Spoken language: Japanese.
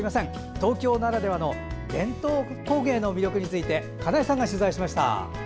東京ならではの伝統工芸の魅力について金井さんが取材しました。